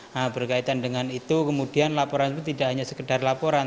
nah berkaitan dengan itu kemudian laporan itu tidak hanya sekedar laporan